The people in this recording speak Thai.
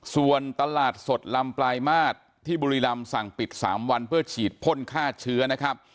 ส่วนตลาดสดลำปลายมาตรที่บุรีรำสั่งปิด๓วันเพื่อฉีดพ่นฆ่าเชื้อนะครับ